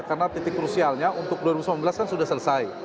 karena titik krusialnya untuk dua ribu sembilan belas kan sudah selesai